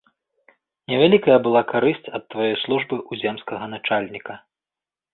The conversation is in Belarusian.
Невялікая была карысць ад тваёй службы ў земскага начальніка.